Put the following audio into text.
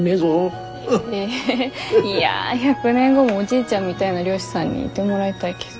えいや１００年後もおじいちゃんみたいな漁師さんにいてもらいたいけど。